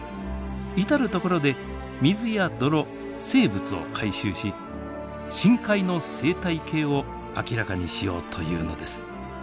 至る所で水や泥生物を回収し深海の生態系を明らかにしようというのです。